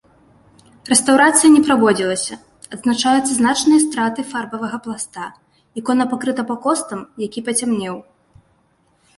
Рэстаўрацыя не праводзілася, адзначаюцца значныя страты фарбавага пласта, ікона пакрыта пакостам, які пацямнеў.